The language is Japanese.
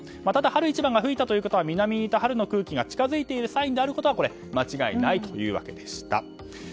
ただ春一番が吹いたということは南からの春の空気が近づいているサインであることは間違いないというわけでした。